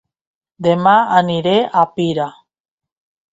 Dema aniré a Pira